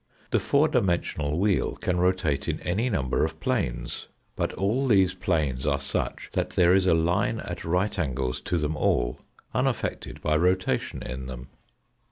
The four dimensional wheel can rotate in any number of planes, but all these planes are such that there is a line at right angles to them all unaffected by rotation in them.